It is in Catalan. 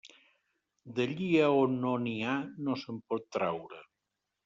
D'allí a on no n'hi ha no se'n pot traure.